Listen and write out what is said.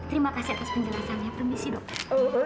terima kasih atas penjelasannya permisi dokter